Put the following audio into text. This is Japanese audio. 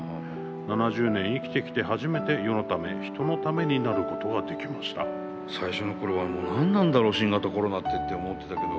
７０年生きてきて初めて世のため、人のためになることができました。」最初のころは何なんだろう新型コロナってって思ってたけど。